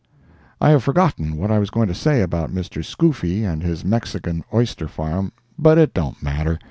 I have forgotten what I was going to say about Mr. Scoofy and his Mexican oyster farm, but it don't matter.